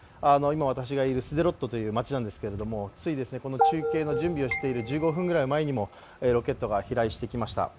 私がいるスデロットという街なんですけど中継の準備をしている１５分ぐらい前にもロケットが飛来してきました